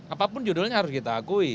apapun judulnya harus kita akui